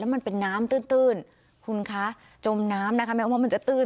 มันเป็นน้ำตื้นคุณคะจมน้ำนะคะแม้ว่ามันจะตื้น